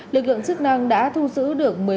lực lượng chức năng đã thu sử được